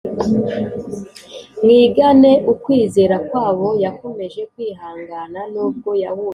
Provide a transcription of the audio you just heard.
Mwigane ukwizera kwabo Yakomeje kwihangana nubwo yahuye na byinshi